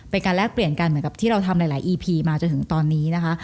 แลกเปลี่ยนกันเหมือนกับที่เราทำหลายอีพีมาจนถึงตอนนี้นะคะ